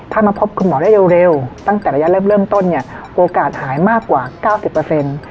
ถ้ามาพบคุณหมอได้เร็วตั้งแต่ระยะเริ่มเริ่มต้นเนี่ยโอกาสหายมากกว่าเก้าสิบเปอร์เซ็นต์